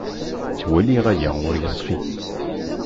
Ttwaliɣ aya ur yeṣfi.